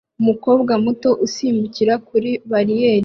umukobwa muto usimbuka kuri bariyeri